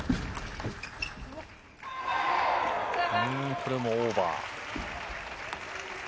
これもオーバー。